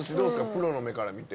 プロの目から見て。